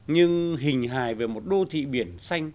nhưng hình hài về một đô thị biển xanh